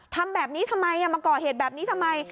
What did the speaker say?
ทำแบบนี้ทำไมมาก่อเหตุแบบนี้ทำไม